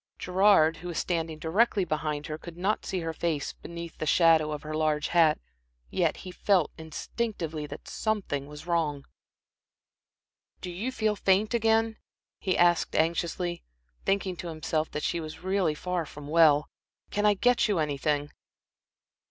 Gerard, who was standing directly behind her, could not see her face beneath the shadow of her large hat, yet he felt instinctively that something was wrong. "Do you feel faint again?" he asked, anxiously, thinking to himself that she was really far from well. "Can I get you anything?"